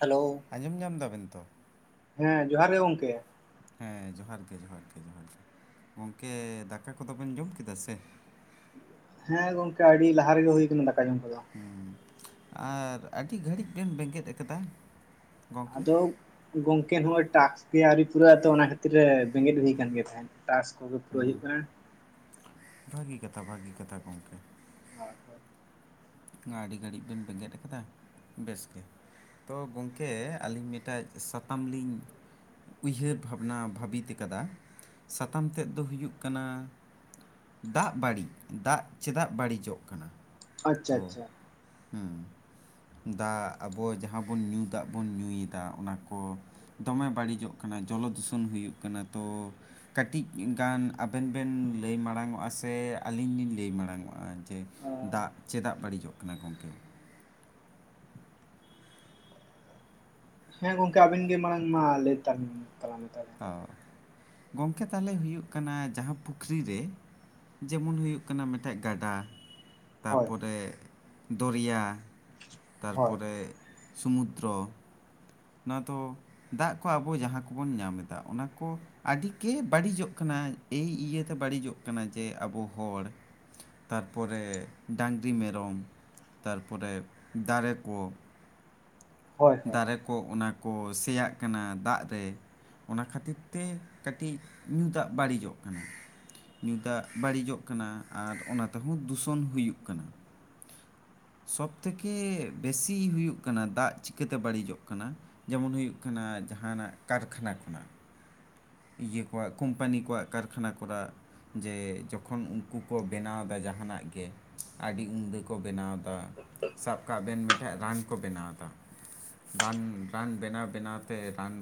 Hello, ᱟᱸᱡᱚᱢ ᱧᱟᱢ ᱫᱟᱵᱮᱱ ᱛᱚ? ᱦᱮᱸ ᱡᱚᱦᱟᱨ ᱜᱮ ᱜᱚᱝᱠᱮ ᱾ ᱦᱮᱸ ᱡᱚᱦᱟᱨ ᱜᱮ ᱡᱚᱦᱟᱨ ᱜᱮ ᱡᱚᱦᱟᱨ ᱜᱮ ᱜᱚᱝᱠᱮ ᱫᱟᱠᱟ ᱠᱚᱫᱚᱵᱮᱱ ᱡᱚᱢ ᱠᱮᱫᱟ ᱥᱮ? ᱦᱮᱸ ᱜᱚᱝᱠᱮ ᱟᱹᱰᱤ ᱞᱟᱦᱟ ᱨᱮᱜᱮ ᱦᱳᱭ ᱠᱟᱱᱟ ᱫᱟᱠᱟ ᱡᱚᱢ ᱠᱚᱫᱚ᱾ ᱦᱩᱸ, ᱟᱨ ᱟᱹᱰᱤ ᱜᱷᱟᱹᱲᱤᱡ ᱵᱮᱱ ᱵᱮᱸᱜᱮᱫ ᱟᱠᱟᱫᱟ᱾ ᱜᱚᱝᱠᱮ ᱟᱫᱚ ᱜᱚᱝᱠᱮ ᱱᱚᱜᱼᱚᱭ ᱴᱟᱠᱥ ᱜᱮ ᱟᱹᱣᱨᱤ ᱯᱩᱨᱟᱹᱜ ᱟᱛᱚ ᱚᱱᱟ ᱛᱤᱨ ᱨᱮ ᱵᱮᱸᱜᱮᱫ ᱦᱩᱭ ᱟᱠᱟᱱ ᱜᱮ ᱛᱟᱦᱮᱸᱫ ᱴᱟᱠᱥ ᱠᱚᱜᱮ ᱯᱩᱨᱟᱹᱣ ᱦᱩᱭᱩᱜ ᱠᱟᱱᱟ᱾ ᱵᱷᱟᱜᱤ ᱠᱟᱛᱷᱟ ᱵᱷᱟᱜᱤ ᱠᱟᱛᱷᱟ ᱜᱚᱝᱠᱮ᱾ [unintelligible] ᱟᱹᱰᱤ ᱜᱷᱟᱹᱲᱤᱡ ᱵᱮᱱ ᱵᱮᱸᱜᱮᱫ ᱟᱠᱟᱫᱟ ᱵᱮᱥ ᱜᱮ᱾ ᱛᱳ ᱜᱚᱝᱠᱮ ᱟᱹᱞᱤᱧ ᱢᱤᱫᱴᱟᱭ ᱥᱟᱛᱟᱢ ᱞᱤᱧ ᱩᱭᱦᱟᱹᱨ ᱵᱷᱟᱵᱽᱱᱟ ᱵᱷᱟᱵᱤᱛ ᱠᱟᱫᱟ, ᱥᱟᱛᱟᱢ ᱛᱮᱫ ᱫᱚ ᱦᱩᱭᱩᱜ ᱠᱟᱱᱟ ᱫᱟᱜ ᱵᱟᱹᱲᱤᱡ ᱫᱟᱜ ᱪᱮᱫᱟᱜ ᱵᱟᱹᱲᱤᱡᱚᱜ ᱠᱟᱱᱟ? ᱟᱪᱪᱷᱟ ᱛᱚ ᱟᱪᱪᱷᱟ ᱦᱩᱸ᱾ ᱫᱟᱜ ᱟᱵᱚ ᱡᱟᱦᱟᱸ ᱵᱚᱱ ᱧᱩ ᱫᱟᱜ ᱵᱚᱱ ᱧᱩᱭᱮᱫᱟ ᱚᱱᱟ ᱠᱚ ᱫᱚᱢᱮ ᱵᱟᱹᱲᱤᱡᱚᱜ ᱠᱟᱱᱟ ᱡᱚᱞᱚ ᱫᱷᱩᱥᱚᱱ ᱦᱩᱭᱩᱜ ᱠᱟᱱᱟ ᱛᱚ ᱠᱟᱹᱴᱤᱡ ᱜᱟᱱ ᱟᱵᱮᱱ ᱵᱮᱱ ᱞᱟᱹᱭ ᱢᱟᱲᱟᱝ ᱚᱜᱼᱟ ᱥᱮ ᱟᱹᱞᱤᱧ ᱞᱤᱧ ᱞᱟᱹᱭ ᱢᱟᱲᱟᱝ ᱚᱜᱼᱟ ᱡᱮ ᱫᱟᱜ ᱪᱮᱫᱟᱜ ᱵᱟᱹᱲᱤᱡᱚᱜ ᱠᱟᱱᱟ ᱜᱚᱢᱠᱮ? ᱦᱮᱸ ᱜᱚᱝᱠᱮ ᱟᱵᱤᱱ ᱜᱮ ᱢᱟᱲᱟᱝ ᱢᱟ ᱞᱟᱹᱭ ᱛᱟᱵᱚᱱ ᱛᱟᱞᱟᱝ ᱢᱮ᱾ ᱚ ᱜᱚᱢᱠᱮ ᱛᱟᱦᱚᱞᱮ ᱦᱩᱭᱩᱜ ᱠᱟᱱᱟ ᱡᱟᱦᱟᱸ ᱯᱩᱠᱷᱨᱤ ᱨᱮ ᱡᱮᱢᱚᱱ ᱦᱩᱭᱩᱜ ᱠᱟᱱᱟ ᱢᱤᱫᱴᱮᱡ ᱜᱟᱰᱟ, ᱦᱳᱭ ᱛᱟᱨᱯᱚᱨᱮ ᱫᱚᱨᱭᱟ ᱦᱳᱭ ᱛᱟᱨᱯᱚᱨᱮ ᱥᱩᱢᱩᱫᱨᱚ ᱚᱱᱟ ᱫᱚ ᱫᱟᱜ ᱠᱚ ᱟᱵᱚ ᱡᱟᱦᱟᱸ ᱠᱚᱵᱚᱱ ᱧᱟᱢ ᱮᱫᱟ ᱚᱱᱟ ᱠᱚ ᱟᱹᱰᱤᱜᱮ ᱵᱟᱹᱲᱤᱡᱚᱜ ᱠᱟᱱᱟ ᱮᱭ ᱤᱭᱟᱹᱛᱮ ᱵᱟᱹᱲᱤᱡᱚᱜ ᱠᱟᱱᱟ ᱡᱮ ᱟᱵᱚ ᱦᱚᱲ ᱛᱟᱨᱯᱚᱨᱮ ᱰᱟᱝᱨᱤ, ᱢᱮᱨᱚᱢ, ᱛᱟᱨᱯᱚᱨᱮ ᱫᱟᱨᱮ ᱠᱚ, ᱦᱳᱭ ᱦᱳᱭ ᱫᱟᱨᱮ ᱠᱚ ᱚᱱᱟ ᱠᱚ ᱥᱮᱭᱟᱜ ᱠᱟᱱᱟ ᱫᱟᱜ ᱨᱮ ᱚᱱᱟ ᱠᱷᱟᱹᱛᱤᱨ ᱛᱮ ᱠᱟᱹᱴᱤᱡ ᱧᱩ ᱫᱟᱜ ᱵᱟᱹᱲᱤᱡᱚᱜ ᱠᱟᱱᱟ᱾ ᱧᱩ ᱫᱟᱜ ᱵᱟᱹᱲᱤᱡᱚᱜ ᱠᱟᱱᱟ ᱟᱨ ᱚᱱᱟ ᱛᱮᱦᱚᱸ ᱫᱩᱥᱚᱱ ᱦᱩᱭᱩᱜ ᱠᱟᱱᱟ᱾ ᱥᱚᱵᱽ ᱛᱷᱮᱠᱮ ᱵᱮᱥᱤ ᱦᱩᱭᱩᱜ ᱠᱟᱱᱟ ᱫᱟᱜ ᱪᱤᱠᱟᱹᱛᱮ ᱵᱟᱹᱲᱤᱡᱚᱜ ᱠᱟᱱᱟ? ᱡᱮᱢᱚᱱ ᱦᱩᱭᱩᱜ ᱠᱟᱱᱟ ᱡᱟᱦᱟᱱᱟᱜ ᱠᱟᱨᱠᱷᱟᱱᱟ ᱠᱷᱚᱱᱟᱜ᱾ ᱤᱭᱟᱹ ᱠᱚᱣᱟᱜ ᱠᱳᱢᱯᱟᱱᱤ ᱠᱚᱣᱟᱜ ᱠᱟᱨᱠᱷᱟᱱᱟ ᱠᱚᱨᱟ ᱡᱮ ᱡᱚᱠᱷᱚᱱ ᱩᱱᱠᱩ ᱠᱚ ᱵᱮᱱᱟᱣ ᱮᱫᱟ ᱡᱟᱦᱟᱱᱟᱜ ᱜᱮ᱾ ᱟᱹᱰᱤ ᱩᱢᱫᱟᱹ ᱠᱚ ᱵᱮᱱᱟᱣᱫᱟ ᱥᱟᱵ ᱠᱟᱜ ᱵᱮᱱ ᱢᱤᱴᱮᱡ ᱨᱟᱱ ᱠᱚ ᱵᱮᱱᱟᱣᱫᱟ ᱨᱟᱱ ᱨᱟᱱ ᱵᱮᱱᱟᱣ ᱵᱮᱱᱟᱣᱛᱮ ᱨᱟᱱ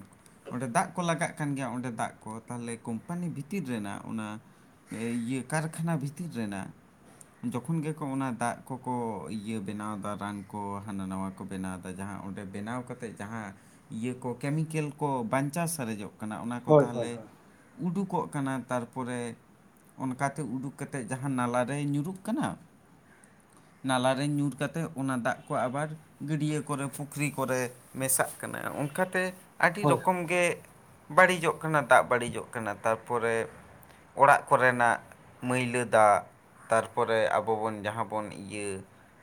ᱚᱸᱰᱮ ᱫᱟᱜ ᱠᱚ ᱞᱟᱜᱟᱜ ᱠᱟᱱ ᱜᱮᱭᱟ ᱚᱸᱰᱮ ᱫᱚ᱾ ᱫᱟᱜ ᱠᱚ ᱛᱟᱦᱚᱞᱮ ᱠᱳᱢᱯᱟᱱᱤ ᱵᱷᱤᱛᱤᱨ ᱨᱮᱱᱟᱜ ᱚᱱᱟ ᱮ ᱤᱭᱟᱹ ᱠᱟᱨᱠᱷᱟᱱᱟ ᱵᱷᱤᱛᱤᱨ ᱨᱮᱱᱟᱜ᱾ ᱡᱚᱠᱷᱚᱱ ᱜᱮᱠᱚ ᱚᱱᱟ ᱫᱟᱜ ᱠᱚᱠᱚ ᱤᱭᱟᱹ ᱵᱮᱱᱟᱣᱫᱟ ᱨᱟᱱ ᱠᱚ ᱦᱟᱱᱟ ᱱᱟᱣᱟ ᱠᱚ ᱵᱮᱱᱟᱣ ᱫᱟ ᱡᱟᱦᱟ ᱚᱸᱰᱮ ᱵᱮᱱᱟᱣ ᱠᱟ ᱠᱟᱛᱮ ᱡᱟᱦᱟ ᱤᱭᱟᱹ ᱠᱚ ᱠᱮᱢᱤᱠᱮᱞ ᱠᱚ ᱵᱟᱧᱪᱟᱣ ᱥᱟᱨᱮᱡᱚᱜ ᱠᱟᱱᱟ ᱚᱱᱟ ᱠᱚ ᱦᱳᱭ ᱦᱳᱭ ᱛᱟᱦᱚᱞᱮ ᱩᱰᱩᱠᱚᱜ ᱠᱟᱱᱟ ᱛᱟᱨᱯᱚᱨᱮ ᱚᱱᱠᱟᱛᱮ ᱩᱰᱩᱠ ᱠᱟᱛᱮᱫ ᱡᱟᱦᱟ ᱱᱟᱞᱟᱨᱮ ᱧᱩᱨᱩᱜ ᱠᱟᱱᱟ᱾ ᱱᱟᱞᱟᱨᱮ ᱧᱩᱨ ᱠᱟᱛᱮ ᱚᱱᱟ ᱫᱟᱜ ᱠᱚ ᱟᱵᱟᱨ ᱜᱟᱹᱰᱭᱟᱹ ᱠᱚᱨᱮ ᱯᱩᱠᱷᱨᱤ ᱠᱚᱨᱮ ᱢᱮᱥᱟᱜ ᱠᱟᱱᱟ ᱚᱱᱠᱟᱛᱮ ᱟᱹᱰᱤ ᱦᱳᱭ ᱦᱳᱭ ᱨᱚᱠᱚᱢ ᱜᱮ ᱵᱟᱹᱲᱤᱡᱚᱜ ᱚᱱᱟ ᱫᱟᱜ ᱵᱟᱹᱲᱤᱡᱚᱜ ᱠᱟᱱᱟ ᱛᱟᱨᱯᱚᱨᱮ ᱚᱲᱟᱜ ᱠᱚᱨᱮᱱᱟᱜ ᱢᱟᱹᱭᱞᱟᱹ ᱫᱟᱜ ᱛᱟᱨᱯᱚᱨᱮ ᱟᱵᱚᱵᱚᱱ ᱡᱟᱦᱟ ᱵᱚᱱ ᱤᱭᱟᱹ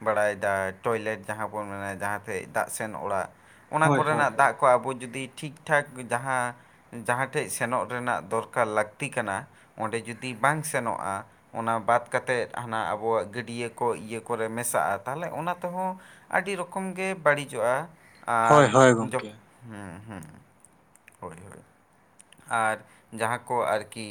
ᱵᱟᱲᱟᱭᱫᱟ ᱴᱚᱭᱞᱮᱴ ᱡᱟᱦᱟᱸ ᱵᱚᱱ ᱚᱱᱮ ᱡᱟᱦᱟ ᱫᱟᱜ ᱥᱮᱱ ᱚᱲᱟᱜ ᱚᱱᱟ ᱦᱳᱭ ᱦᱳᱭ ᱠᱚᱨᱮᱱᱟᱜ ᱦᱳᱭ ᱫᱟᱜ ᱠᱚ ᱟᱵᱚ ᱡᱩᱫᱤ ᱴᱷᱤᱠ ᱴᱷᱟᱠ ᱡᱟᱦᱟ ᱡᱟᱦᱟ ᱴᱷᱮᱡ ᱥᱮᱱᱚᱜ ᱨᱮᱱᱟᱜ ᱫᱚᱨᱠᱟᱨ ᱞᱟᱹᱠᱛᱤ ᱠᱟᱱᱟ ᱚᱸᱰᱮ ᱡᱩᱫᱤ ᱵᱟᱝ ᱥᱮᱱᱚᱜᱼᱟ᱾ ᱚᱱᱟ ᱵᱟᱫ ᱠᱟᱛᱮᱫ ᱦᱟᱱᱟ ᱟᱵᱚᱣᱟᱜ ᱜᱟᱹᱰᱭᱟᱹ ᱠᱚ ᱤᱭᱟᱹ ᱠᱚᱨᱮ ᱢᱮᱥᱟᱜᱼᱟ ᱛᱟᱦᱚᱞᱮ ᱚᱱᱟ ᱛᱮᱦᱚᱸ ᱟᱹᱰᱤ ᱨᱚᱠᱚᱢ ᱜᱮ ᱵᱟᱹᱲᱤᱡᱚᱜᱼᱟ ᱟᱨ ᱦᱳᱭ ᱦᱳᱭ ᱡᱚ ᱜᱚᱝᱠᱮ ᱦᱳᱭ ᱜᱚᱢᱠᱮ ᱦᱩᱸ ᱦᱩᱸ᱾ ᱦᱳᱭ ᱦᱳᱭ ᱟᱨ ᱡᱟᱦᱟ ᱠᱚ ᱟᱨᱠᱤ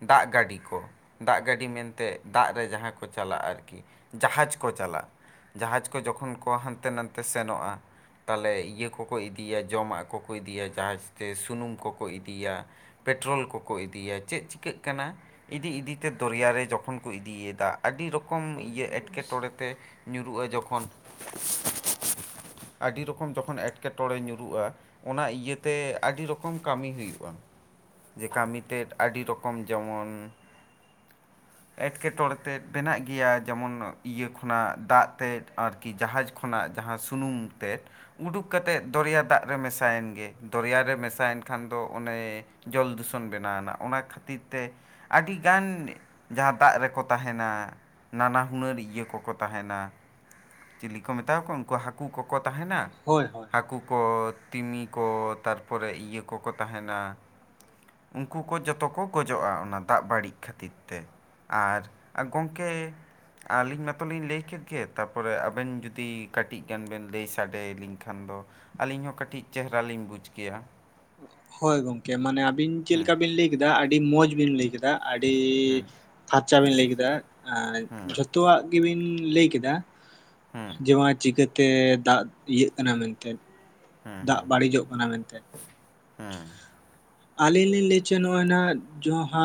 ᱫᱟᱜ ᱜᱟᱹᱰᱤ ᱠᱚ ᱫᱟᱜ ᱜᱟᱹᱰᱤ ᱢᱮᱱᱛᱮ ᱫᱟᱜ ᱨᱮ ᱡᱟᱦᱟ ᱠᱚ ᱪᱟᱞᱟᱜᱼᱟ ᱟᱨᱠᱤ᱾ ᱡᱟᱦᱟᱡᱽ ᱠᱚ ᱪᱟᱞᱟᱜ, ᱡᱟᱦᱟᱡᱽ ᱠᱚ ᱡᱚᱠᱷᱚᱱ ᱠᱚ ᱦᱟᱱᱛᱮ ᱱᱟᱛᱮ ᱥᱮᱱᱚᱜᱼᱟ᱾ ᱛᱟᱞᱞᱮ ᱤᱭᱟᱹ ᱠᱚᱠᱚ ᱤᱫᱤᱭᱟ ᱡᱚᱢᱟᱜ ᱠᱚᱠᱚ ᱤᱫᱤᱭᱟ ᱡᱟᱦᱟᱡᱽ ᱛᱮ ᱥᱩᱱᱩᱢ ᱠᱚᱠᱚ ᱤᱫᱤᱭᱟ᱾ ᱯᱮᱴᱨᱳᱞ ᱠᱚᱠᱚ ᱤᱫᱤᱭᱟ ᱪᱮᱫ ᱪᱤᱠᱟᱹᱜ ᱠᱟᱱᱟ᱾ ᱤᱫᱤ ᱤᱫᱤᱛᱮ ᱫᱚᱨᱭᱟᱨ ᱨᱮ ᱡᱚᱠᱷᱚᱱ ᱠᱚ ᱤᱫᱤᱭᱮᱫᱟ ᱟᱹᱰᱤ ᱨᱚᱠᱚᱢ ᱤᱭᱟᱹ ᱮᱴᱠᱮᱴᱚᱬᱮ ᱛᱮ ᱧᱩᱨᱩᱜᱼᱟ ᱡᱚᱠᱷᱚᱱ [inaudible] ᱟᱹᱰᱤ ᱨᱚᱠᱚᱢ ᱡᱚᱠᱷᱚᱱ ᱮᱴᱠᱮᱴᱚᱬᱮ ᱧᱩᱨᱩᱜᱼᱟ ᱚᱱᱟ ᱤᱭᱟᱹᱛᱮ ᱟᱹᱰᱤ ᱨᱚᱠᱚᱢ ᱠᱟᱹᱢᱤ ᱦᱩᱭᱩᱜᱼᱟ, ᱡᱮ ᱠᱟᱹᱢᱤ ᱛᱮᱫ ᱟᱹᱰᱤ ᱨᱚᱠᱚᱢ ᱡᱚᱢᱚᱱ ᱮᱴᱠᱮᱴᱚᱬᱮ ᱛᱮᱫ ᱵᱮᱱᱟᱜ ᱜᱮᱭᱟ ᱡᱮᱢᱚᱱ ᱤᱭᱟᱹ ᱠᱷᱚᱱᱟᱜ ᱫᱟᱜ ᱛᱮᱫ ᱟᱨ ᱠᱤ ᱡᱟᱦᱟᱡᱽ ᱠᱷᱚᱱᱟᱜ ᱡᱟᱦᱟ ᱥᱩᱱᱩᱢ ᱛᱮᱫ᱾ ᱩᱸᱰᱩᱠ ᱠᱟᱛᱮᱫ ᱫᱚᱨᱭᱟ ᱫᱟᱜ ᱨᱮ ᱢᱮᱥᱟᱭᱮᱱ ᱜᱮ ᱫᱚᱨᱭᱟ ᱨᱮ ᱢᱮᱥᱟᱭᱮᱱ ᱠᱷᱟᱱ ᱫᱚ ᱚᱱᱮ ᱡᱚᱞ ᱫᱩᱥᱚᱱ ᱵᱮᱱᱟᱣᱱᱟ ᱚᱱᱟ ᱠᱷᱟᱹᱛᱤᱨ ᱛᱮ ᱟᱹᱰᱤᱜᱟᱱ ᱡᱟᱦᱟ ᱫᱟᱜ ᱨᱮᱠᱚ ᱛᱟᱦᱮᱱᱟ ᱱᱟᱱᱟ ᱦᱩᱱᱟᱹᱨ ᱤᱭᱟᱹ ᱠᱚᱠᱚ ᱛᱟᱦᱮᱱᱟ ᱪᱤᱞᱤ ᱠᱚ ᱢᱮᱛᱟᱠᱚᱣᱟ ᱩᱱᱠᱩ ᱦᱟᱠ ᱠᱩ ᱠᱚᱠᱚ ᱛᱟᱦᱮᱱᱟ ᱦᱳᱭ ᱦᱳᱭ ᱦᱟᱠᱩ ᱠᱚ ᱛᱤᱢᱤ ᱠᱚ ᱯᱚᱨᱮ ᱤᱭᱟᱹ ᱠᱚᱠᱚ ᱛᱟᱦᱮᱱᱟ᱾ ᱩᱝᱠᱩ ᱠᱚ ᱡᱚᱛᱚ ᱠᱚ ᱜᱚᱡᱚᱜᱼᱟ ᱚᱱᱟ ᱫᱟᱜ ᱵᱟᱹᱲᱤᱡ ᱠᱷᱟᱹᱛᱤᱨ ᱛᱮ᱾ ᱟᱨ ᱜᱚᱝᱠᱮ ᱾ ᱟᱹᱞᱤᱧ ᱢᱟᱛᱚ ᱞᱤᱧ ᱞᱟᱹᱭ ᱠᱮᱫ ᱜᱮ ᱛᱟᱨᱯᱚᱨᱮ ᱟᱵᱮᱱ ᱡᱩᱫᱤ ᱠᱟᱹᱴᱤᱡ ᱜᱟᱱ ᱵᱮᱱ ᱞᱟᱹᱭ ᱥᱟᱰᱮᱞᱤᱧ ᱠᱷᱟᱱ ᱫᱚ ᱟᱹᱞᱤᱧ ᱦᱚᱸ ᱠᱟᱹᱴᱤᱡ ᱪᱮᱦᱨᱟ ᱞᱤᱧ ᱵᱩᱡ ᱠᱮᱭᱟ᱾ ᱦᱳᱭ ᱜᱚᱝᱠᱮ ᱢᱟᱱᱮ ᱟᱵᱤᱱ ᱪᱮᱫ ᱞᱮᱠᱟ ᱵᱤᱱ ᱞᱟᱹᱭ ᱠᱮᱫᱟ ᱟᱹᱰᱤ ᱢᱚᱸᱡᱽ ᱵᱤᱱ ᱞᱟᱹᱭ ᱠᱮᱫᱟ ᱟᱹᱰᱤ ᱯᱷᱟᱨᱪᱟ ᱵᱤᱱ ᱞᱟᱹᱭ ᱠᱮᱫᱟ ᱟᱨ ᱡᱷᱚᱛᱚᱣᱟᱜ ᱜᱮᱵᱤᱱ ᱞᱟᱹᱭ ᱠᱮᱫᱟ᱾ ᱦᱮᱸ ᱡᱮ ᱵᱟᱝ ᱪᱤᱠᱟᱹᱛᱮ ᱫᱟᱜ ᱤᱭᱟᱹᱜ ᱠᱟᱱᱟ ᱢᱮᱱᱛᱮ, ᱫᱟᱜ ᱵᱟᱹᱲᱤᱡᱚᱜ ᱠᱟᱱᱟ ᱢᱮᱱᱛᱮ᱾ ᱦᱮᱸ ᱟᱹᱞᱤᱧ ᱞᱤᱧ ᱞᱟᱹᱭ ᱦᱚᱪᱚᱭ ᱱᱚᱜᱼᱚᱭ ᱱᱟᱜ ᱡᱟᱦᱟ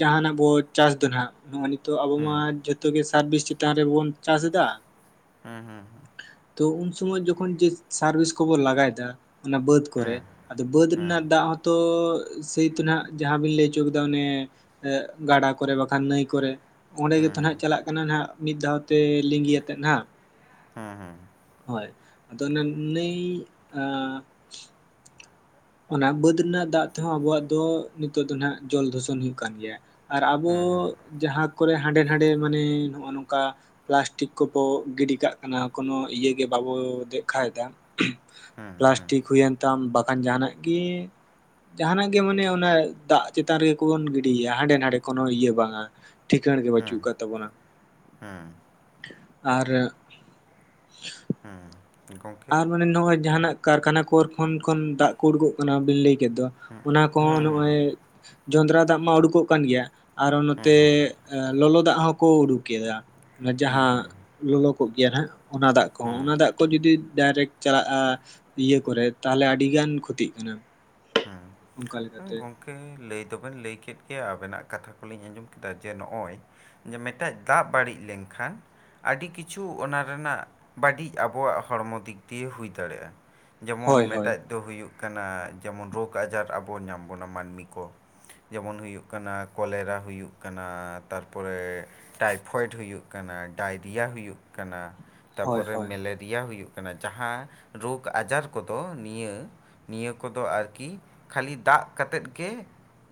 ᱡᱟᱦᱟᱱᱟᱜ ᱵᱚ ᱪᱟᱥ ᱫᱚ ᱱᱟᱦᱟᱜ᱾ ᱱᱚᱜᱼᱚᱭ ᱱᱤᱛᱚᱜ ᱟᱵᱚ ᱢᱟ ᱡᱚᱛᱚ ᱜᱮ ᱥᱟᱨᱵᱤᱥ ᱪᱮᱛᱟᱱ ᱨᱮᱵᱚᱱ ᱪᱟᱥ ᱫᱟ᱾ ᱛᱚ ᱩᱱ ᱥᱚᱢᱚᱭ ᱡᱚᱠᱷᱚᱱ ᱡᱮ ᱥᱟᱨᱵᱤᱥ ᱠᱚᱵᱚᱱ ᱞᱟᱜᱟᱭᱫᱟ ᱚᱱᱟ ᱵᱟᱹᱫᱽ ᱠᱚᱨᱮ᱾ ᱟᱫᱚ ᱵᱟᱹᱫᱽ ᱨᱮᱱᱟᱜ ᱫᱟᱜ ᱦᱚᱸᱛᱚ ᱥᱟᱹᱭᱛᱚ ᱦᱟᱜ ᱡᱟᱦᱟᱵᱤᱱ ᱞᱟᱹᱭ ᱚᱪᱚ ᱠᱮᱫᱟ ᱚᱱᱮ ᱜᱟᱰᱟ ᱠᱚᱨᱮ ᱵᱟᱠᱷᱟᱱ ᱱᱟᱹᱭ ᱠᱚᱨᱮ ᱚᱸᱰᱮ ᱜᱮᱛᱚ ᱦᱟᱸᱜ ᱪᱟᱞᱟᱜ ᱠᱟᱱᱟ ᱦᱟᱸᱜ ᱢᱤᱫ ᱫᱷᱟᱣᱛᱮ ᱞᱤᱸᱜᱤ ᱟᱛᱮᱫ ᱱᱟᱜ᱾ ᱦᱩᱸ ᱦᱩᱸ ᱦᱳᱭ ᱟᱫᱚ ᱚᱱᱟ ᱱᱟ. ᱭ ᱚᱱᱟ ᱵᱟᱹᱫᱽ ᱨᱮᱱᱟᱜ ᱫᱟᱜ ᱛᱮᱦᱚᱸ ᱟᱵᱩᱣᱟᱜ ᱫᱚ ᱱᱤᱛᱚᱜ ᱫᱚ ᱱᱟᱜ ᱡᱚᱞ ᱫᱩᱥᱚᱱ ᱦᱩᱭᱩᱜ ᱠᱟᱱ ᱜᱮᱭᱟ᱾ ᱟᱨ ᱟᱵᱚ ᱡᱟᱦᱟᱸ ᱠᱚᱨᱮ ᱦᱟᱸᱰᱮ ᱱᱟᱰᱮ ᱢᱟᱱᱮ ᱦᱚᱜ ᱱᱚᱝᱠᱟ ᱯᱞᱟᱥᱴᱤᱠ ᱠᱚᱵᱚ ᱜᱤᱰᱤ ᱠᱟᱜ ᱠᱟᱱᱟ ᱠᱳᱱᱳ ᱤᱭᱟᱹ ᱜᱮ ᱵᱟᱵᱚ ᱫᱮᱠᱷᱟᱭᱫᱟ᱾ ᱯᱞᱟᱥᱴᱤᱠ ᱦᱩᱭᱮᱱ ᱛᱟᱢ ᱵᱟᱠᱷᱟᱱ ᱡᱟᱦᱟᱸᱱᱟᱜ ᱜᱤ ᱡᱟᱦᱟᱸᱱᱟᱜ ᱜᱮ ᱢᱟᱱᱮ ᱚᱱᱟ ᱫᱟᱜ ᱪᱮᱛᱟᱱ ᱨᱮᱜᱮ ᱠᱚᱵᱚᱱ ᱜᱤᱰᱤᱭᱮᱭᱟ ᱦᱟᱸᱰᱮ ᱱᱟᱰᱮ ᱠᱳᱱᱳ ᱤᱭᱟᱹ ᱵᱟᱝᱼᱟ᱾ ᱴᱷᱤᱠᱟᱹᱬ ᱜᱮ ᱦᱮᱸ ᱵᱟᱹᱪᱩᱜ ᱠᱟᱫ ᱛᱟᱵᱚᱱᱟ ᱦᱮᱸ ᱟᱨ ᱦᱩᱸ ᱟᱨ ᱢᱟᱱᱮ ᱱᱚᱜᱼᱚᱭ ᱡᱟᱦᱟᱸᱱᱟᱜ ᱠᱟᱨᱠᱷᱟᱱᱟ ᱠᱚᱨᱮ ᱠᱷᱚᱱ ᱠᱷᱚᱱ ᱫᱟᱜ ᱠᱚ ᱩᱰᱩᱠᱚᱜ ᱠᱟᱱᱟ ᱵᱤᱱ ᱞᱟᱹᱭ ᱠᱮᱫ ᱫᱚ ᱚᱱᱟ ᱠᱚᱦᱚᱸ ᱱᱚᱜᱼᱚᱭ ᱡᱚᱸᱫᱽᱨᱟ ᱫᱟᱜ ᱢᱟ ᱩᱰᱩᱠᱚᱜ ᱠᱟᱱ ᱜᱮᱭᱟ᱾ ᱟᱨᱚ ᱱᱚᱛᱮ ᱞᱚᱞᱚ ᱫᱟᱜ ᱦᱚᱸᱠᱚ ᱩᱰᱩᱠ ᱠᱮᱫᱟ ᱚᱱᱟ ᱡᱟᱦᱟᱸ ᱞᱚᱞᱚ ᱠᱚᱜ ᱜᱮᱭᱟ ᱱᱟᱦᱟᱜ, ᱚᱱᱟ ᱫᱟᱜ ᱠᱚᱦᱚᱸ ᱾ ᱚᱱᱟ ᱫᱟᱜ ᱠᱚ ᱡᱩᱫᱤ ᱰᱟᱭᱨᱮᱠᱴ ᱪᱟᱞᱟᱜ-ᱟ ᱤᱭᱟᱹ ᱠᱚᱨᱮ, ᱛᱟᱦᱚᱞᱮ ᱟᱹᱰᱤ ᱜᱟᱱ ᱠᱷᱚᱛᱤᱜ ᱠᱟᱱᱟ ᱾ ᱦᱩᱸ, ᱜᱚᱝᱠᱮ ᱜᱚᱢᱠᱮ ᱞᱟᱹᱭ ᱫᱚᱵᱮᱱ ᱞᱟᱹᱭ ᱠᱮᱫ ᱜᱮᱭᱟ᱾ ᱟᱵᱮᱱᱟᱜ ᱠᱟᱛᱷᱟ ᱠᱚᱞᱤᱧ ᱟᱸᱡᱚᱢ ᱠᱮᱫᱟ ᱡᱮ, ᱱᱚᱜ-ᱚᱭ ᱡᱮ ᱢᱤᱫᱴᱮᱡ ᱫᱟᱜ ᱵᱟᱲᱤᱡ ᱞᱮᱱᱠᱷᱟᱱ ᱟᱹᱰᱤ ᱠᱤᱪᱷᱩ ᱚᱱᱟ ᱨᱮᱱᱟᱜ ᱵᱟᱹᱲᱤᱡ ᱟᱵᱚᱣᱟᱜ ᱦᱚᱲᱢᱚ ᱫᱤᱠ ᱫᱤᱭᱮ ᱦᱩᱭ ᱫᱟᱲᱮᱭᱟᱜ-ᱟ᱾ ᱦᱳᱭ ᱡᱮᱢᱚᱱ ᱦᱳᱭ ᱢᱮᱴᱟᱡ ᱫᱚ ᱦᱩᱭᱩᱜ ᱠᱟᱱᱟ, ᱡᱮᱢᱚᱱ ᱨᱳᱜᱽ ᱟᱡᱟᱨ ᱟᱵᱚ ᱧᱟᱢ ᱵᱚᱱᱟ ᱢᱟᱹᱱᱢᱤ ᱠᱚ᱾ ᱡᱮᱢᱚᱱ ᱦᱩᱭᱩᱜ ᱠᱟᱱᱟ, ᱠᱚᱞᱮᱨᱟ ᱦᱩᱭᱩᱜ ᱠᱟᱱᱟ ᱾ ᱛᱟᱨᱯᱚᱨᱮ ᱴᱟᱭᱯᱷᱚᱭᱮᱰ ᱦᱩᱭᱩᱜ ᱠᱟᱱᱟ, ᱰᱟᱭᱨᱤᱭᱟ ᱦᱩᱭᱩᱜ ᱠᱟᱱᱟ᱾ ᱦᱳᱭ ᱛᱟᱯᱚᱨᱮ ᱦᱳᱭ ᱢᱮᱞᱮᱨᱤᱭᱟ ᱦᱩᱭᱩᱜ ᱠᱟᱱᱟ᱾ ᱡᱟᱦᱟᱸ ᱨᱳᱜᱽ ᱟᱡᱟᱨ ᱠᱚᱫᱚ ᱱᱤᱭᱟᱹ ᱱᱤᱭᱟᱹ ᱠᱚᱫᱚ ᱟᱨᱠᱤ ᱠᱷᱟᱞᱤ ᱫᱟᱜ ᱠᱟᱛᱮᱫ ᱜᱮ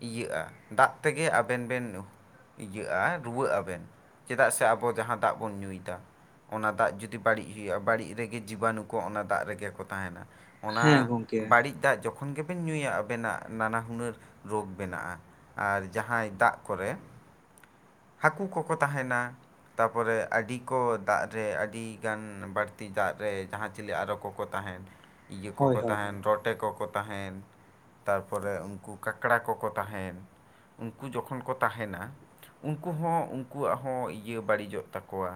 ᱤᱭᱟᱹᱜᱼᱟ, ᱫᱟᱜ ᱛᱮᱜᱮ ᱟᱵᱮᱱ ᱵᱮᱱ ᱤᱭᱟᱹᱜ-ᱟ ᱨᱩᱣᱟᱹᱜ ᱟᱵᱮᱱ, ᱪᱮᱫᱟᱜ ᱥᱮ ᱟᱵᱚ ᱡᱟᱦᱟᱸ ᱫᱟᱜ ᱵᱚᱱ ᱧᱩᱭᱮᱫᱟ᱾ ᱚᱱᱟ ᱫᱟᱜ ᱡᱩᱫᱤ ᱵᱟᱹᱲᱤᱡ ᱦᱩᱭᱩᱜ-ᱟ᱾ ᱵᱟᱹᱲᱤᱡ ᱨᱮᱜᱮ ᱡᱤᱵᱟᱱᱩ ᱠᱚ ᱚᱱᱟ ᱫᱟᱜ ᱨᱮᱜᱮ ᱠᱚ ᱛᱟᱦᱮᱸᱱᱟ᱾ ᱚᱱᱟ ᱦᱮᱸ ᱜᱚᱢᱠᱮ ᱵᱟᱹᱲᱤᱡ ᱫᱟᱜ ᱡᱚᱠᱷᱚᱱ ᱜᱮᱵᱮᱱ ᱧᱩᱭᱟ, ᱟᱵᱮᱱᱟᱜ ᱱᱟᱱᱟ ᱦᱩᱱᱟᱹᱨ ᱨᱳᱜᱽ ᱵᱮᱱᱟᱜᱼᱟ᱾ ᱟᱨ ᱡᱟᱦᱟᱸᱭ ᱫᱟᱜ ᱠᱚᱨᱮ, ᱦᱟᱹᱠᱩ ᱠᱚᱠᱚ ᱛᱟᱦᱮᱸᱱᱟ ᱛᱟᱯᱚᱨᱮ ᱟᱹᱰᱤ ᱠᱚ ᱫᱟᱜ ᱨᱮ, ᱟᱹᱰᱤ ᱜᱟᱱ ᱵᱟᱹᱲᱛᱤ ᱫᱟᱜ ᱨᱮ ᱡᱟᱦᱟᱸ ᱪᱤᱞᱤ ᱟᱨᱚ ᱠᱚᱠᱚ ᱛᱟᱦᱮᱸᱱ, ᱤᱭᱟᱹ ᱦᱳᱭ ᱠᱚᱠᱚ ᱦᱳᱭ ᱛᱟᱦᱮᱸᱱ ᱦᱳᱭ ᱨᱚᱴᱮ ᱠᱚᱠᱚ ᱛᱟᱦᱮᱸᱱ ᱛᱟᱨᱯᱚᱨᱮ ᱩᱱᱠᱩ ᱠᱟᱠᱲᱟ ᱠᱚᱠᱚ ᱛᱟᱦᱮᱸᱱ᱾ ᱩᱱᱠᱩ ᱡᱚᱠᱷᱚᱱ ᱠᱚ ᱛᱟᱦᱮᱸᱱᱟ ᱩᱱᱠᱩ ᱦᱚᱸ ᱩᱱᱠᱩᱣᱟᱜ ᱦᱚᱸ ᱤᱭᱟᱹ ᱵᱟᱹᱲᱤᱡᱚᱜ ᱛᱟᱠᱚᱣᱟ᱾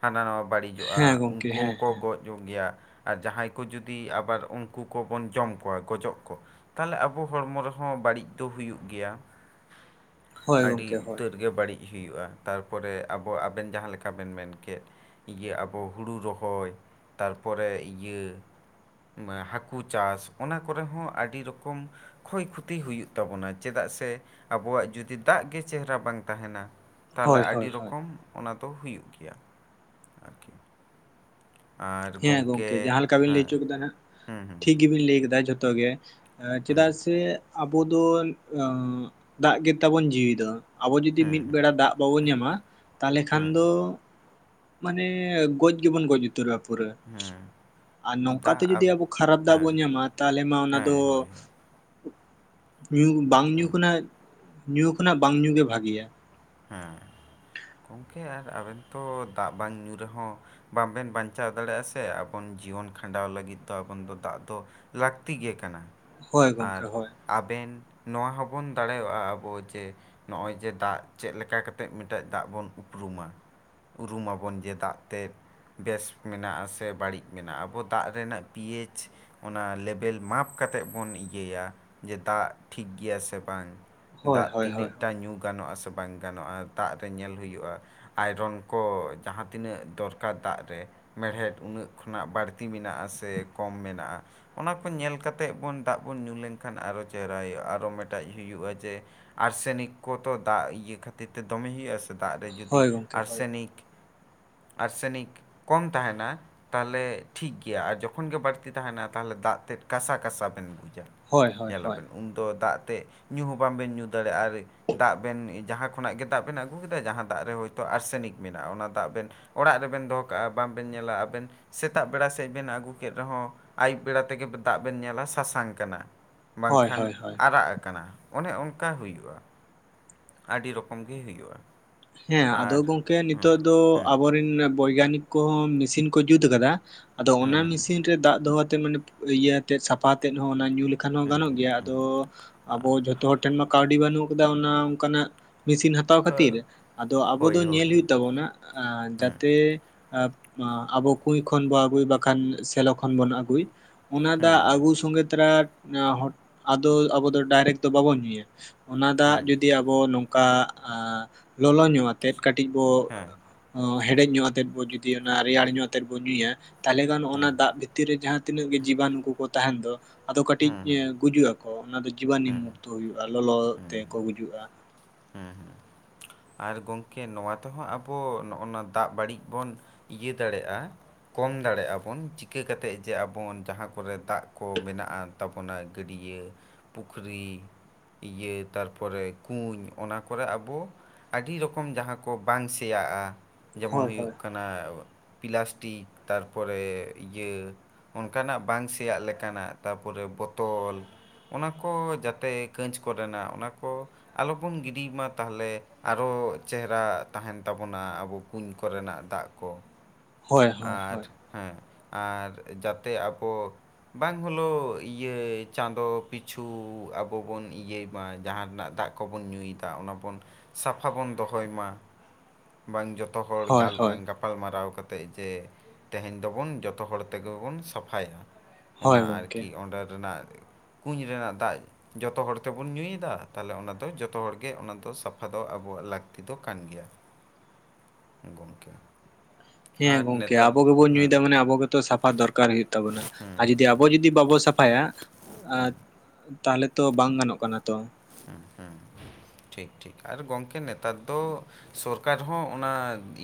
ᱦᱟᱱᱟ ᱱᱚᱣᱟ ᱦᱮᱸ ᱵᱟᱹᱲᱤᱡᱚᱜ-ᱟ᱾ ᱜᱚᱢᱠᱮ ᱩᱱᱠᱩ ᱦᱮᱸ ᱦᱚᱸᱠᱚ ᱦᱮᱸ ᱜᱚᱡᱚᱜ ᱜᱮᱭᱟ ᱟᱨ ᱡᱟᱦᱟᱸᱭ ᱠᱚ ᱡᱚᱫᱤ ᱟᱵᱟᱨ ᱩᱱᱠᱩ ᱠᱚᱵᱚᱱ ᱡᱚᱢ ᱠᱚᱣᱟ ᱜᱚᱡᱚᱜ ᱠᱚ, ᱛᱟᱦᱞᱮ ᱟᱵᱚ ᱦᱚᱲᱢᱚ ᱨᱮᱦᱚᱸ ᱵᱟᱲᱤᱡ ᱫᱚ ᱦᱩᱭᱩᱜ ᱜᱮᱭᱟ᱾ ᱦᱳᱭ ᱜᱚᱢᱠᱮ ᱟᱹᱰᱤ ᱦᱳᱭ ᱩᱛᱟᱹᱨ ᱜᱮ ᱵᱟᱹᱲᱤᱡ ᱾ ᱦᱩᱭᱩᱜ-ᱟ, ᱛᱟᱨᱯᱚᱨᱮ ᱟᱵᱚ ᱟᱵᱮᱱ ᱡᱟᱦᱟᱸ ᱞᱮᱠᱟ ᱵᱮᱱ ᱢᱮᱱᱠᱮᱜ ᱾ ᱤᱭᱟᱹ ᱟᱵᱚ ᱦᱩᱲᱩ ᱨᱚᱦᱚᱭ, ᱛᱟᱨᱯᱚᱨᱮ ᱤᱭᱟᱹ ᱦᱟᱹᱠᱩ ᱠᱩ ᱪᱟᱥ, ᱚᱱᱟ ᱠᱚᱨᱮ ᱦᱚᱸ ᱟᱹᱰᱤ ᱨᱚᱠᱚᱢ ᱠᱷᱚᱭ ᱠᱷᱚᱛᱤ ᱦᱩᱭᱩᱜ ᱛᱟᱵᱚᱱᱟ᱾ ᱪᱮᱫᱟᱜ ᱥᱮ ᱟᱵᱚᱣᱟᱜ ᱡᱩᱫᱤ ᱫᱟᱜ ᱜᱮ ᱪᱮᱦᱨᱟ ᱵᱟᱝ ᱛᱟᱦᱮᱸᱱᱟ᱾ ᱛᱟᱦᱞᱮ ᱦᱳᱭ ᱟᱹᱰᱤ ᱦᱳᱭ ᱦᱳᱭ ᱨᱚᱠᱚᱢ ᱚᱱᱟ ᱫᱚ ᱦᱩᱭᱩᱜ ᱜᱮᱭᱟ ᱟᱨᱠᱤ ᱾ ᱦᱮᱸ ᱜᱚᱝᱠᱮ ᱡᱟᱦᱟᱸ ᱞᱮᱠᱟ ᱵᱤᱱ ᱞᱟᱹᱭ ᱦᱮᱸ ᱚᱪᱚ ᱠᱮᱫᱟ ᱱᱟᱜ, ᱦᱮᱸ ᱦᱮᱸ ᱴᱷᱤᱠ ᱜᱮᱵᱤᱱ ᱞᱟᱹᱭ ᱠᱮᱫᱟ ᱡᱷᱚᱛᱚ ᱜᱮ᱾ ᱦᱮᱸ ᱪᱮᱫᱟᱜ ᱥᱮ, ᱟᱵᱚ ᱫᱚ ᱫᱟᱜ ᱜᱮᱛᱟᱵᱚᱱ ᱡᱤᱣᱤ ᱫᱚ᱾ ᱟᱵᱚ ᱡᱩᱫᱤ ᱢᱤᱫ ᱵᱮᱲᱟ ᱫᱟᱜ ᱵᱟᱵᱚᱱ ᱧᱟᱢᱟ, ᱛᱟᱦᱞᱮ ᱠᱷᱟᱱ ᱫᱚ ᱢᱟᱱᱮ ᱜᱚᱡ ᱜᱮᱵᱚᱱ ᱜᱚᱡ ᱩᱛᱟᱹᱨᱚᱜ-ᱟ ᱯᱩᱨᱟᱹ ᱾ ᱦᱮᱸ ᱟᱨ ᱱᱚᱝᱠᱟᱛᱮ ᱫᱟᱜ ᱡᱩᱫᱤ ᱟᱵ- ᱟᱵᱚ ᱠᱷᱟᱨᱟᱯ ᱫᱟᱜ ᱦᱮᱸ ᱵᱚᱱ ᱧᱟᱢᱟ, ᱛᱟᱦᱚᱞᱮ ᱢᱟ ᱚᱱᱟ ᱫᱚ ᱦᱮᱸ ᱦᱳᱭ ᱦᱳᱭ ᱧᱩ ᱵᱟᱝ ᱧᱩ ᱠᱷᱚᱱᱟᱜ, ᱧᱩ ᱠᱷᱚᱱᱟᱜ ᱵᱟᱝ ᱧᱩ ᱜᱮ ᱵᱷᱟᱜᱮᱭᱟ᱾ ᱦᱮᱸ, ᱜᱚᱝᱠᱮ ᱟᱨ ᱟᱵᱮᱱ ᱛᱚ ᱫᱟᱜ ᱵᱟᱝ ᱧᱩ ᱨᱮᱦᱚᱸ ᱵᱟᱵᱮᱱ ᱵᱟᱧᱪᱟᱣ ᱫᱟᱲᱮᱭᱟᱜ-ᱟ ᱥᱮ, ᱟᱵᱚᱱ ᱡᱤᱭᱚᱱ ᱠᱷᱟᱸᱰᱟᱣ ᱞᱟᱹᱜᱤᱫ ᱫᱚ ᱟᱵᱚᱱ ᱫᱚ ᱫᱟᱜ ᱫᱚ ᱞᱟᱠᱛᱤ ᱜᱮ ᱠᱟᱱᱟ ᱦᱳᱭ ᱾ ᱜᱚᱢᱠᱮ ᱟᱨ ᱦᱳᱭ ᱟᱵᱮᱱ ᱱᱚᱣᱟ ᱦᱚᱸᱵᱚᱱ ᱫᱟᱲᱮᱭᱟᱜ-ᱟ ᱟᱵᱚ ᱡᱮ, ᱱᱚᱜ-ᱚᱭ ᱡᱮ ᱫᱟᱜ ᱪᱮᱫ ᱞᱮᱠᱟ ᱠᱟᱛᱮᱫ ᱢᱤᱫᱴᱮᱡ ᱫᱟᱜ ᱵᱚᱱ ᱩᱯᱨᱩᱢᱟ᱾ ᱩᱨᱩᱢᱟ ᱵᱚᱱ ᱡᱮ ᱫᱟᱜ ᱛᱮ ᱵᱮᱥ ᱢᱮᱱᱟᱜ-ᱟ ᱥᱮ, ᱵᱟᱹᱲᱤᱡ ᱢᱮᱱᱟᱜ-ᱟ᱾ ᱟᱵᱚ ᱫᱟᱜ ᱨᱮᱱᱟᱜ ᱯᱤᱭᱮᱡᱽ ᱚᱱᱟ ᱞᱮᱵᱮᱞ ᱢᱟᱯ ᱠᱟᱛᱮᱜ ᱵᱚᱱ ᱤᱭᱟᱹᱭᱟ, ᱡᱮ ᱫᱟᱜ ᱴᱷᱤᱠ ᱜᱮᱭᱟ ᱥᱮ ᱵᱟᱝ? ᱦᱳᱭ ᱫᱟᱜ ᱦᱳᱭ ᱦᱳᱭ ᱛᱤᱱᱟᱹᱜ ᱴᱟ ᱧᱩ ᱜᱟᱱᱚᱜ ᱟᱥᱮ, ᱵᱟᱝ ᱜᱟᱱᱚᱜᱼᱟ ᱫᱟᱜ ᱨᱮ ᱧᱮᱞ ᱦᱩᱭᱩᱜᱼᱟ? ᱟᱭᱨᱚᱱ ᱠᱚ ᱡᱟᱦᱟᱸ ᱛᱤᱱᱟᱹᱜ ᱫᱚᱨᱠᱟᱨ ᱫᱟᱜ ᱨᱮ᱾ ᱢᱮᱲᱦᱮᱫ ᱩᱱᱟᱹᱜ ᱠᱷᱚᱱᱟᱜ ᱵᱟᱹᱲᱛᱤ ᱢᱮᱱᱟᱜ ᱟᱥᱮ ᱠᱚᱢ ᱢᱮᱱᱟᱜᱼᱟ ᱾ ᱚᱱᱟ ᱠᱚ ᱧᱮᱞ ᱠᱟᱛᱮᱜ ᱵᱚᱱ ᱫᱟᱜ ᱵᱚᱱ ᱧᱩ ᱞᱮᱱᱠᱷᱟᱱ ᱟᱨᱚ ᱪᱮᱦᱨᱟ ᱦᱩᱭᱩᱜᱼᱟ᱾ ᱟᱨᱚ ᱢᱤᱫᱴᱟᱜ ᱦᱩᱭᱩᱜᱼᱟ ᱡᱮ ᱟᱨᱥᱮᱱᱤᱠ ᱠᱚ ᱛᱚ ᱫᱟᱜ ᱤᱭᱼᱼ ᱤᱭᱟᱹ ᱠᱷᱟᱹᱛᱤᱨ ᱛᱮ ᱫᱚᱢᱮ ᱦᱩᱭᱩᱜᱼᱟ ᱥᱮ ᱫᱟᱜ ᱨᱮ ᱡᱩᱫᱤ ᱦᱳᱭ ᱜᱚᱢᱠᱮ ᱦᱳᱭ ᱟᱨᱥᱮᱱᱤᱠ, ᱟᱨᱥᱮᱱᱤᱠᱼᱼ ᱠᱚᱢ ᱛᱟᱦᱮᱸᱱᱟ ᱾ ᱛᱟᱦᱚᱞᱮ ᱴᱷᱤᱠ ᱜᱮᱭᱟ, ᱟᱨ ᱡᱚᱠᱷᱚᱱ ᱜᱮ ᱵᱟᱹᱲᱛᱤ ᱛᱟᱸᱦᱮᱱᱟ ᱛᱟᱦᱞᱮ ᱫᱟᱜ ᱛᱮᱫ ᱠᱟᱥᱟ ᱠᱟᱥᱟ ᱵᱤᱱ ᱵᱩᱡᱟ ᱦᱳᱭ ᱾ ᱦᱳᱭ ᱦᱳᱭ ᱧᱮᱞᱟᱵᱮᱱ ᱩᱱᱫᱚ ᱫᱟᱜ ᱛᱮ ᱧᱩ ᱦᱚᱸ ᱵᱟᱝᱵᱮᱱ ᱧᱩ ᱫᱟᱲᱮᱭᱟᱜᱼᱟ ᱟᱨ ᱫᱟᱜ ᱵᱮᱱᱼᱼ ᱡᱟᱦᱟᱸ ᱠᱷᱚᱱᱟᱜ ᱜᱮ ᱫᱟᱜ ᱵᱮᱱ ᱟᱹᱜᱩ ᱠᱮᱫᱟ ᱡᱟᱦᱟᱸ ᱫᱟᱜ ᱨᱮ ᱦᱳᱭ ᱛᱚ ᱟᱨᱥᱮᱱᱤᱠ ᱢᱮᱱᱟᱜᱼᱟ ᱚᱱᱟ ᱫᱟᱜ ᱵᱮᱱᱼᱼ ᱚᱲᱟᱜ ᱨᱮᱵᱮᱱ ᱫᱚᱦᱚ ᱠᱟᱜᱼᱟ, ᱵᱟᱝᱵᱮᱱ ᱧᱮᱞᱟ ᱟᱵᱮᱱᱼᱼ ᱥᱮᱛᱟᱜ ᱵᱮᱲᱟ ᱥᱮᱫ ᱵᱮᱱ ᱟᱹᱜᱩ ᱠᱮᱫ ᱨᱮᱦᱚᱸ, ᱟᱹᱭᱩᱵ ᱵᱮᱲᱟ ᱛᱮᱜᱮ ᱫᱟᱜ ᱵᱮᱱ ᱧᱮᱞᱟ ᱥᱟᱥᱟᱝ ᱠᱟᱱᱟ ᱾ ᱦᱳᱭ ᱵᱟᱝᱠᱷᱟᱱ ᱦᱳᱭ ᱦᱳᱭ ᱟᱨᱟᱜ ᱟᱠᱟᱱᱟ ᱚᱱᱮ ᱚᱱᱠᱟ ᱦᱩᱭᱩᱜᱼᱟ ᱾ ᱟᱹᱰᱤ ᱨᱚᱠᱚᱢ ᱜᱮ ᱦᱩᱭᱩᱜᱼᱟ ᱾ ᱦᱮᱸ ᱟᱫᱚ ᱜᱚᱝᱠᱮ ᱱᱤᱛᱚᱜ ᱫᱚ ᱦᱮᱸ ᱟᱵᱚᱨᱮᱱ ᱵᱳᱭᱜᱟᱱᱤᱠᱼᱼ ᱠᱚᱦᱚᱸ ᱢᱮᱥᱤᱱ ᱠᱚ ᱡᱩᱛ ᱟᱠᱟᱫᱟ, ᱟᱫᱚ ᱚᱱᱟ ᱢᱮᱥᱤᱱ ᱨᱮ ᱫᱟᱜ ᱫᱚᱦᱚ ᱟᱛᱮ ᱢᱟᱱᱮᱼᱼ ᱤᱭᱟᱹ ᱟᱛᱮᱫ, ᱥᱟᱯᱷᱟ ᱟᱛᱮᱫ ᱦᱚᱸ ᱚᱱᱟ ᱧᱩ ᱞᱮᱠᱷᱟᱱ ᱦᱚᱸ ᱦᱮᱸ ᱜᱟᱱᱚᱜ ᱜᱮᱭᱟ ᱦᱮᱸ ᱟᱫᱚᱼᱼ ᱟᱵᱚ ᱡᱷᱚᱛᱚ ᱦᱚᱲ ᱴᱷᱮᱱ ᱢᱟ ᱠᱟᱹᱣᱰᱤ ᱵᱟᱹᱱᱩᱜ ᱟᱠᱟᱫᱟ ᱚᱱᱟ ᱚᱱᱠᱟ ᱱᱟᱜ ᱢᱮᱥᱤᱱ ᱦᱟᱛᱟᱣ ᱦᱮᱸ ᱠᱷᱟᱹᱛᱤᱨᱼᱼ ᱟᱫᱚ ᱟᱵᱚ ᱫᱚ ᱦᱳᱭ ᱦᱳᱭ ᱧᱮᱞ ᱦᱩᱭᱩᱜ ᱛᱟᱵᱚᱱᱟ ᱟᱸ ᱦᱮᱸ ᱡᱟᱛᱮᱼᱼ ᱮ ᱟᱵᱚ ᱠᱩᱧ ᱠᱷᱚᱱ ᱵᱚᱱ ᱟᱹᱜᱩᱭ, ᱵᱟᱠᱷᱟᱱ ᱥᱮᱞᱚ ᱠᱷᱚᱱ ᱵᱚᱱ ᱟᱹᱜᱩᱭ ᱾ ᱚᱱᱟ ᱫᱟᱜ ᱟᱹᱜᱩ ᱥᱚᱸᱝᱜᱮ ᱛᱟᱨᱟ ᱟᱸ ᱟᱫᱚ ᱟᱵᱚ ᱫᱚ ᱰᱟᱭᱨᱮᱠᱴ ᱫᱚ ᱵᱟᱵᱚᱱ ᱧᱩᱭᱟ ᱾ ᱚᱱᱟ ᱫᱟᱜ ᱡᱩᱫᱤ ᱟᱵᱚ ᱱᱚᱝᱠᱟ ᱟᱸ ᱞᱚᱞᱚ ᱧᱚᱜ ᱟᱛᱮᱫ ᱠᱟᱹᱴᱤᱡ ᱵᱚᱼᱼ ᱦᱮᱸ ᱚᱸ ᱦᱮᱰᱮᱡ ᱧᱚᱜ ᱟᱛᱮᱫ ᱵᱚᱱ ᱡᱩᱫᱤ ᱚᱱᱟ ᱨᱮᱭᱟᱲ ᱧᱚᱜ ᱟᱛᱮᱫ ᱵᱚᱱ ᱧᱩᱭᱟᱼᱼ ᱛᱟᱦᱚᱞᱮ ᱠᱷᱟᱱ ᱚᱱᱟ ᱫᱟᱜ ᱵᱷᱤᱛᱤᱨ ᱨᱮ ᱡᱟᱦᱟᱸ ᱛᱤᱱᱟᱹᱜ ᱜᱮ ᱡᱤᱵᱟᱱᱩ ᱠᱚ ᱛᱟᱸᱦᱮᱱ ᱫᱚ ᱟᱫᱚ ᱠᱟᱹᱴᱤᱡ ᱮ ᱜᱩᱡᱩᱜ ᱟᱠᱚ ᱾ ᱠᱚ ᱚᱱᱟ ᱫᱚ ᱡᱤᱵᱟᱱᱩ ᱢᱩᱠᱛᱚ ᱦᱩᱭᱩᱜᱼᱟ, ᱞᱚᱞᱚ ᱛᱮᱠᱚ ᱜᱩᱡᱩᱜᱼᱟ ᱾ ᱟᱨ ᱜᱚᱢᱠᱮ ᱱᱚᱣᱟ ᱛᱮᱦᱚᱸ ᱟᱵᱚ ᱱᱚᱜᱼᱚ ᱱᱚᱣᱟ ᱫᱟᱜ ᱵᱟᱹᱲᱤᱡ ᱵᱚᱱ ᱤᱭᱟᱹ ᱫᱟᱲᱮᱜᱼᱟ ᱾ ᱠᱚᱢ ᱫᱟᱲᱮᱭᱟᱜᱼᱟ ᱵᱚᱱ, ᱪᱤᱠᱟᱹ ᱠᱟᱛᱮᱫ ᱡᱮ ᱟᱵᱚ ᱡᱟᱦᱟᱸ ᱠᱚᱨᱮ ᱫᱟᱜ ᱠᱚ ᱢᱮᱱᱟᱜᱼᱟ ᱾ ᱛᱟᱵᱚᱱᱟ ᱜᱟᱹᱰᱭᱟᱹ, ᱯᱩᱠᱷᱨᱤ ᱾ ᱤᱭᱟᱹ ᱛᱟᱨᱯᱚᱨᱮ ᱠᱩᱧ ᱚᱱᱟ ᱠᱚᱨᱮ ᱟᱵᱚᱼᱼ ᱟᱹᱰᱤ ᱨᱚᱠᱚᱢ ᱡᱟᱦᱟᱸ ᱠᱚ ᱵᱟᱝ ᱥᱮᱭᱟᱜᱼᱟ, ᱦᱳᱭ ᱡᱮᱢᱚᱱ ᱦᱩᱭᱩᱜ ᱦᱳᱭ ᱠᱟᱱᱟᱼᱼ ᱚᱱᱟ ᱯᱤᱞᱟᱥᱴᱤᱠ, ᱛᱟᱨᱯᱚᱨᱮ ᱤᱭᱟᱹᱼᱼ ᱚᱱᱠᱟᱱᱟᱜ ᱵᱟᱝ ᱥᱮᱭᱟᱜ ᱞᱮᱠᱟᱱᱟᱜ, ᱛᱟᱯᱚᱨᱮ ᱵᱚᱛᱚᱞᱼᱼ ᱚᱱᱟ ᱠᱚ ᱡᱟᱛᱮ ᱠᱟᱺᱪ ᱠᱚᱨᱮᱱᱟᱜ ᱚᱱᱟ ᱠᱚ ᱟᱞᱚᱵᱚᱱ ᱜᱤᱰᱤᱭ ᱢᱟ ᱛᱟᱦᱚᱞᱮᱼᱼ ᱟᱨᱚ ᱪᱮᱦᱨᱟ ᱛᱟᱸᱦᱮᱱ ᱛᱟᱵᱚᱱᱟ ᱟᱵᱚ ᱠᱩᱧ ᱠᱚᱨᱮᱱᱟᱜ ᱫᱟᱜ ᱠᱚ ᱾ ᱦᱳᱭ ᱦᱳᱭ ᱟᱨ ᱦᱳᱭ ᱦᱮᱸ ᱟᱨ ᱡᱟᱛᱮ ᱟᱵᱚᱼᱼ ᱵᱟᱝ ᱦᱚᱞᱳᱣ ᱤᱭᱟᱹ ᱪᱟᱸᱫᱚ ᱯᱤᱪᱷᱩ ᱟᱵᱚ ᱵᱚᱱ ᱤᱭᱟᱹᱭ ᱢᱟ ᱡᱟᱦᱟᱸ ᱨᱮᱱᱟᱜ ᱫᱟᱜᱼᱼ ᱟᱠᱚ ᱵᱚᱱ ᱧᱩᱭᱮᱫᱟ ᱚᱱᱟ ᱵᱚᱱ ᱥᱟᱯᱷᱟ ᱵᱚᱱ ᱫᱚᱦᱚᱭ ᱢᱟ ᱾ ᱵᱟᱝ ᱡᱚᱛᱚ ᱦᱚᱲ ᱦᱳᱭ ᱜᱟᱞ ᱦᱳᱭ ᱮᱱ ᱫᱚᱼᱼ ᱜᱟᱯᱟᱞ ᱢᱟᱨᱟᱣ ᱠᱟᱛᱮᱫ ᱡᱮ ᱛᱮᱦᱮᱧ ᱫᱚ ᱵᱚᱱ ᱡᱚᱛᱚ ᱦᱚᱲ ᱛᱮᱜᱮ ᱵᱚᱱ ᱥᱟᱯᱷᱟᱭᱟ ᱾ ᱚᱱᱟ ᱦᱳᱭ ᱜᱚᱢᱠᱮ ᱟᱨᱠᱤ ᱚᱸᱰᱮ ᱨᱮᱱᱟᱜ ᱠᱩᱧ ᱨᱮᱱᱟᱜ ᱫᱟᱜᱼᱼ ᱡᱚᱛᱚ ᱦᱚᱲ ᱛᱮᱵᱚᱱ ᱧᱩᱭᱮᱫᱟ, ᱛᱟᱦᱞᱮ ᱚᱱᱟ ᱫᱚ ᱡᱚᱛᱚ ᱦᱚᱲᱜᱮ ᱚᱱᱟ ᱫᱚ ᱥᱟᱯᱷᱟ ᱫᱚ ᱟᱵᱚᱣᱟᱜ ᱞᱟᱹᱠᱛᱤ ᱫᱚ ᱠᱟᱱ ᱜᱮᱭᱟ ᱾ ᱜᱚᱢᱠᱮ ᱾ ᱦᱮᱸ ᱜᱚᱝᱠᱮ ᱟᱵᱚ ᱜᱮᱵᱚᱱ ᱦᱮᱸ ᱧᱩᱭᱮᱫᱟ ᱢᱟᱱᱮ ᱟᱵᱚ ᱜᱮᱛᱚ ᱥᱟᱯᱷᱟ ᱫᱚᱨᱠᱟᱨ ᱦᱩᱭᱩᱜ ᱛᱟᱵᱚᱱᱟ, ᱟᱨ ᱡᱩᱫᱤ ᱼᱼ ᱟᱵᱚ ᱡᱩᱫᱤ ᱵᱟᱵᱚ ᱥᱟᱯᱷᱟᱭᱟ ᱛᱟᱦᱚᱞᱮ ᱛᱚ ᱵᱟᱝ ᱜᱟᱱᱚᱜ ᱠᱟᱱᱟ ᱛᱚ ᱾ ᱦᱮᱸ ᱦᱮᱸ ᱴᱷᱤᱠ ᱴᱷᱤᱠ, ᱟᱨ ᱜᱚᱝᱠᱮ ᱱᱮᱛᱟᱨ ᱫᱚᱼᱼ ᱥᱚᱨᱠᱟᱨ ᱦᱚᱸ ᱚᱱᱟ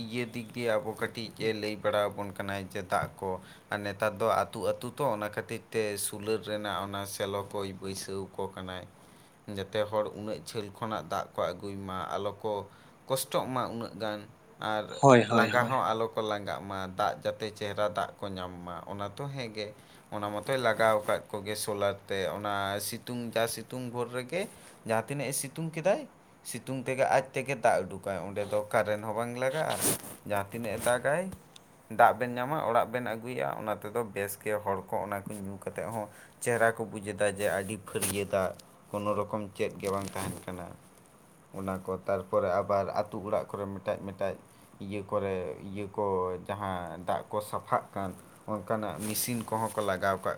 ᱤᱭᱟᱹ ᱫᱤᱠ ᱫᱤᱭᱮ ᱟᱵᱚ ᱠᱟᱹᱴᱤᱡ ᱮ ᱞᱟᱹᱭ ᱵᱟᱲᱟᱣ ᱟᱵᱚᱱ ᱠᱟᱱᱟᱭ ᱡᱮ ᱫᱟᱜ ᱠᱚᱼᱼ ᱟᱨ ᱱᱮᱛᱟᱨ ᱫᱚ ᱟᱹᱛᱩ ᱟᱹᱛᱩ ᱛᱚ ᱚᱱᱟ ᱠᱷᱟᱹᱛᱤᱨ ᱛᱮ ᱥᱩᱞᱟᱹᱨ ᱨᱮᱱᱟᱜ ᱚᱱᱟ ᱥᱮᱞᱳ ᱠᱚᱭ ᱵᱟᱹᱭᱥᱟᱹᱣ ᱟᱠᱚ ᱠᱟᱱᱟᱭ ᱾ ᱡᱟᱛᱮ ᱦᱚᱲ ᱩᱱᱟᱹᱜ ᱡᱷᱟᱹᱞ ᱠᱷᱚᱱᱟᱜ ᱫᱟᱜ ᱠᱚ ᱟᱹᱜᱩᱭ ᱢᱟ ᱟᱞᱚ ᱠᱚᱼᱼ ᱠᱚᱥᱴᱚᱜ ᱢᱟ ᱩᱱᱟᱹᱜ ᱜᱟᱱ, ᱟᱨ ᱦᱳᱭ ᱦᱳᱭ ᱞᱟᱸᱜᱟ ᱦᱳᱭ ᱦᱚᱸ ᱟᱞᱚᱼᱼ ᱞᱟᱸᱜᱟᱸᱜ ᱢᱟ ᱫᱟᱜ ᱡᱟᱛᱮ ᱪᱮᱦᱮᱨᱟ ᱫᱟᱜ ᱠᱚ ᱧᱟᱢ ᱢᱟ ᱚᱱᱟ ᱛᱚ ᱦᱮᱸᱜᱮ, ᱚᱱᱟ ᱢᱟᱚᱛᱚᱭ ᱞᱟᱜᱟᱣ ᱟᱠᱟᱫ ᱠᱚᱜᱮ ᱥᱳᱞᱟᱨ ᱛᱮ ᱚᱱᱟ ᱥᱤᱛᱩᱝ ᱡᱟ ᱥᱤᱛᱩᱝ ᱵᱷᱳᱨ ᱨᱮᱜᱮ ᱜᱮ ᱡᱟᱦᱟᱸ ᱛᱤᱱᱟᱹᱜ ᱮ ᱥᱤᱛᱩᱝ ᱠᱮᱫᱟᱭ ᱥᱤᱛᱩᱝ ᱛᱮᱜᱮ ᱟᱡ ᱛᱮᱜᱮ ᱫᱟᱜ ᱩᱰᱩᱠᱟᱭ ᱚᱸᱰᱮ ᱫᱚ ᱠᱟᱨᱮᱱᱴ ᱦᱚᱸ ᱵᱟᱝ ᱞᱟᱜᱟᱜ-ᱟ᱾ ᱡᱟᱦᱟᱸ ᱛᱤᱱᱟᱹᱜ ᱮ ᱫᱟᱜᱟᱭ ᱫᱟᱜ ᱵᱮᱱ ᱧᱟᱢᱟ ᱚᱲᱟᱜ ᱵᱮᱱ ᱟᱹᱜᱩᱭᱟ ᱚᱱᱟ ᱛᱮᱫᱚ ᱵᱮᱥ ᱜᱮ ᱦᱚᱲ ᱠᱚ ᱚᱱᱟ ᱠᱚ ᱧᱩ ᱠᱟᱛᱮᱫ ᱦᱚᱸ ᱪᱮᱦᱨᱟ ᱠᱚ ᱵᱩᱡᱮᱫᱟ ᱡᱮ ᱟᱹᱰᱤ ᱯᱷᱟᱹᱨᱭᱟᱹᱫᱟᱜ ᱠᱳᱱᱳ ᱨᱚᱠᱚᱢ ᱪᱮᱫ ᱜᱮ ᱵᱟᱝ ᱛᱟᱦᱮᱱ ᱠᱟᱱᱟ᱾ ᱚᱱᱟ ᱠᱚ ᱛᱟᱨᱯᱚᱨᱮ ᱟᱵᱟᱨ ᱟᱛᱩ ᱚᱲᱟᱜ ᱠᱚᱨᱮ ᱢᱮᱴᱟᱜᱡ ᱢᱮᱴᱟᱜᱡ ᱤᱭᱟᱹ ᱠᱚᱨᱮ ᱤᱭᱟᱹ ᱠᱚ ᱡᱟᱦᱟᱸ ᱫᱟᱜ ᱠᱚ ᱥᱟᱯᱷᱟᱜ ᱠᱟᱱ ᱚᱱᱠᱟᱱᱟᱜ ᱢᱮᱥᱤᱱ ᱠᱚᱦᱚᱸ ᱠᱚ ᱞᱟᱜᱟᱣ ᱠᱟᱜ